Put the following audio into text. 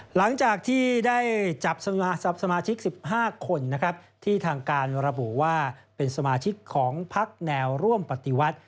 หลังจากที่ได้จับสมาชิก๑๕คนนะครับที่ทางการระบุว่าเป็นสมาชิกของพักแนวร่วมปฏิวัติ